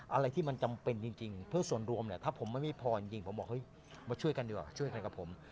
อะไรที่มันจำเป็นจริงเพื่อส่วนรวมเนี่ยถ้าผมไม่มีพรจริงผมบอกเฮ้ยมาช่วยกันดีกว่าช่วยกันกับผม